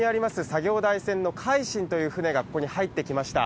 作業船の海進という船がここに入ってきました。